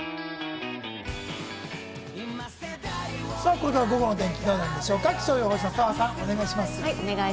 これから午後の天気どうなるでしょうか、気象予報士の澤さん、お願いします。